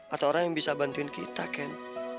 atau orang yang bisa bantuin kita kan